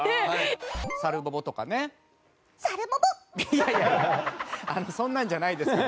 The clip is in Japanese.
いやいやそんなんじゃないですから。